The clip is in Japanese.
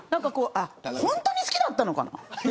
本当に好きだったのかな。